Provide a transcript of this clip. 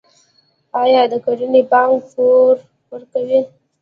آیا د کرنې بانک پور ورکوي؟